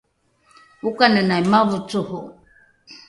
okanenai mavocoro